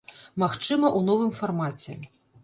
Магчыма, у новым фармаце.